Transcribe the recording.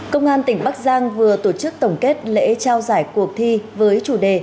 công an tỉnh bắc giang vừa tổ chức tổng kết lễ trao giải cuộc thi với chủ đề